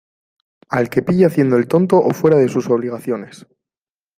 al que pille haciendo el tonto o fuera de sus obligaciones